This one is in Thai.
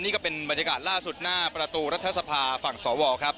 นี่ก็เป็นบรรยากาศล่าสุดหน้าประตูรัฐสภาฝั่งสวครับ